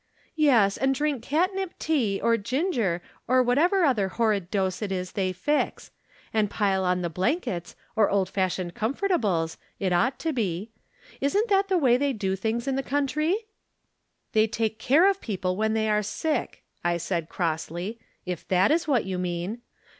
" Yes, and drink catnip tea, or ginger, or what ever other horrid dose it is they fix ; and pile on the blankets, or old fashioned comfortables, it ought to be. Isn't that the way they do things in the country ?"" They take care of people when they are sick," I said crossly, " if that is what you mean.